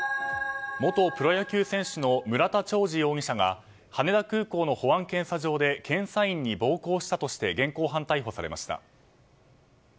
元プロ野球選手の村田兆治容疑者が羽田空港の保安検査場で検査員に暴行したとして現行犯逮捕されました。